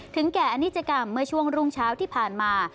แก่อนิจกรรมเมื่อช่วงรุ่งเช้าที่ผ่านมา